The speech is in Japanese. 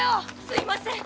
すいません。